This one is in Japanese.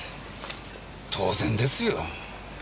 当然ですよ。